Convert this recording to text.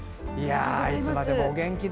いつまでもお元気で。